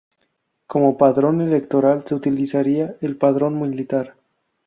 Como padrón electoral se utilizaría el padrón militar.